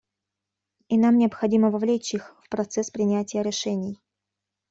И нам необходимо вовлечь их в процесс принятия решений.